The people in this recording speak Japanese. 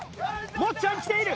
もっちゃんきている！